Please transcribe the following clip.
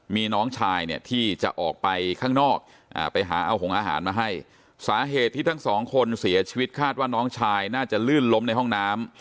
มีน้องชายเนี่ยที่จะออกไปข้างนอกไปหาเอาหงอาหารมาให้สาเหตุที่ทั้งสองคนเสียชีวิตคาดว่าน้องชายน่าจะลื่นล้มในห้องน้ำ